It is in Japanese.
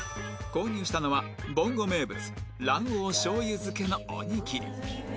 購入したのはぼんご名物卵黄醤油漬けのおにぎり